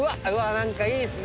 何かいいっすね。